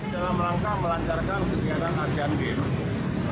dalam rangka melancarkan kegiatan asean games